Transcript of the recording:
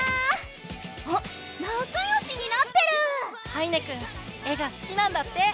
羽稲くん絵がすきなんだって！